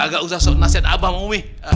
gak usah sok nasihat abah sama umi